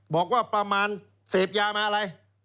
บอกว่าประมาณเสพยามาอะไร